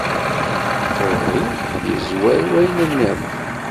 Ɣur-i yezwar wayen nniḍen.